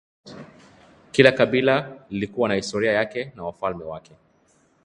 kila kabila lilikuwa na historia yake na wafalme wake